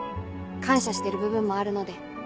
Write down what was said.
感謝してる部分もあるので。